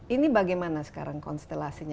ini bagaimana sekarang konstelasinya